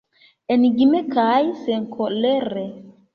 Enigme kaj senkolere.